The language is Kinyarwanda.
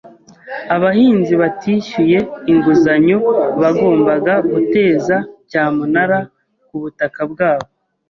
Abahinzi batishyuye inguzanyo bagombaga guteza cyamunara kubutaka bwabo.